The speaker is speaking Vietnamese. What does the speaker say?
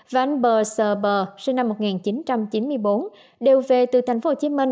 và anh bờ sờ bờ sinh năm một nghìn chín trăm chín mươi bốn đều về từ tp hcm